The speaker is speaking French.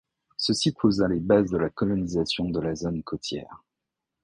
Ceci posa les bases de la colonisation de la zone côtière.